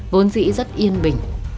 vốn dĩ rất yên bình